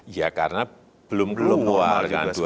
ya karena belum keluar